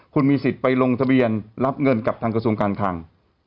คุณมีสิทธิ์ไปลงทะเบียนรับเงินกับทางกระทรวงการคลัง